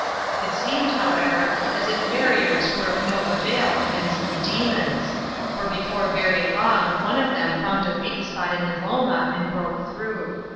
It seemed, however, as if barriers were of no avail against the "demons", for before very long one of them found a weak spot in the boma and broke through.